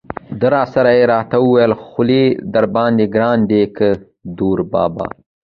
دې سره یې را ته وویل: خولي درباندې ګران دی که دوربابا.